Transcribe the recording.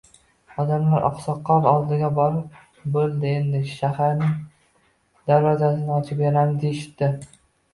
Odamlar oqsoqol oldiga borib, bo‘ldi endi, shaharning darvozasini ochib beramiz, deyishibdi.